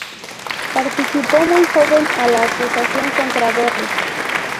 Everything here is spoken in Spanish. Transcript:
Participó muy joven a la acusación contra Verres.